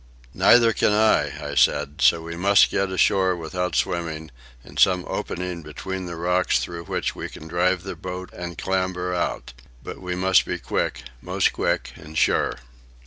"Neither can I," I said. "So we must get ashore without swimming, in some opening between the rocks through which we can drive the boat and clamber out. But we must be quick, most quick—and sure."